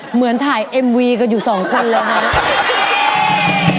เหมือนถ่ายเอ็มวีกันอยู่สองคนเลยครับ